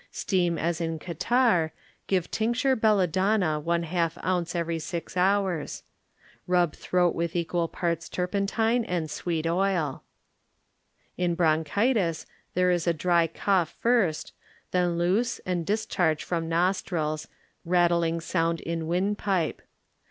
Steam as in catarrh, give tincture belladonna one half ounce every six hours. Rub throat with equal parti tur pentine and sweet oil. > In Bromceitis there is dry cough firt^ b, Google HILLSDALE COUNTY then loose, and discharge from nostrils; rattling sound in windpipe.